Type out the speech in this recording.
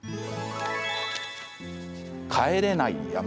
「帰れない山」。